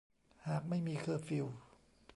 หากไม่มี เคอร์ฟิว